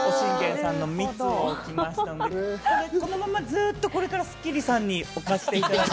このまま、これからずっと『スッキリ』さんに置かせていただいて。